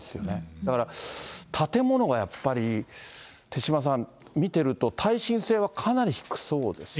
だから、建物がやっぱり手嶋さん、見てると、耐震性はかなり低そうですね。